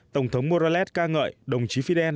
tổng thống morales ca ngợi đồng chí fidel